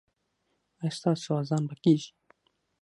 ایا ستاسو اذان به کیږي؟